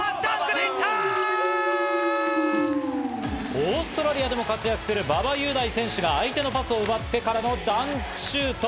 オーストラリアでも活躍する馬場雄大選手が相手のパスを奪ってからのダンクシュート。